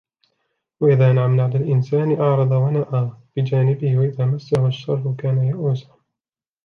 وَإِذَا أَنْعَمْنَا عَلَى الْإِنْسَانِ أَعْرَضَ وَنَأَى بِجَانِبِهِ وَإِذَا مَسَّهُ الشَّرُّ كَانَ يَئُوسًا